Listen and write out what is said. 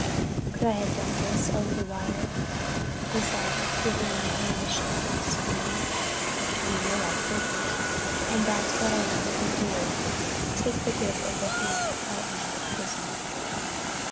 "Could I have done this over the wire?" he said, giving my hand a shake and a squeeze. "You know I couldn't. And that's what I wanted to do—take a grip of the hand that helped me out of prison."